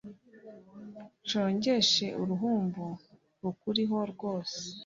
nshongeshe uruhumbu rukuriho rwose